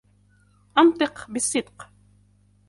أَنْطِقَ بِالصِّدْقِ.